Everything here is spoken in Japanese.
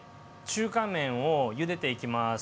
中華麺をゆでていきます。